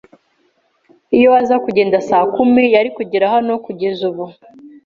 Iyo aza kugenda saa kumi, yari kugera hano kugeza ubu.